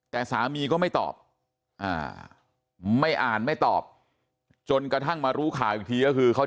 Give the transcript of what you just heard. แต่สามีก็ไม่ตอบไม่อ่านไม่ตอบจนกระทั่งมารู้ข่าวอีกทีก็คือเขา